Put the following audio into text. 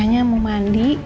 kayaknya keisyahnya mau mandi